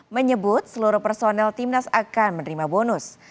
menyebut seluruh personel timnas akan menerima bonus